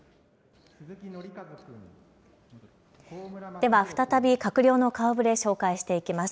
では再び、閣僚の顔ぶれ、紹介していきます。